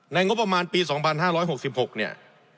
งบประมาณปี๒๕๖๖เนี่ย